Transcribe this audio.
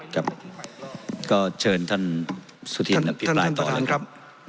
ก็เชิญท่านสุธินอภิปรายต่อนะครับท่านประธานครับ